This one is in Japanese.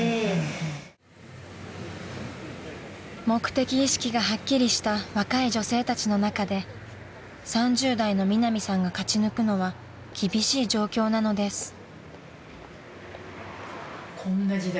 ［目的意識がはっきりした若い女性たちの中で３０代のミナミさんが勝ち抜くのは厳しい状況なのです］